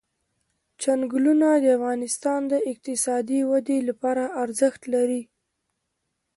چنګلونه د افغانستان د اقتصادي ودې لپاره ارزښت لري.